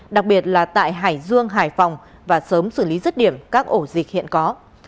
đặc biệt là tại hải dương hải phòng và sớm xử lý rứt điểm các ổ dịch hiện có